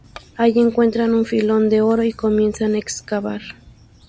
Allí encuentran un filón de oro y comienzan a excavar.